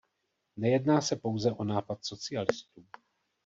Nejedná se pouze o nápad socialistů.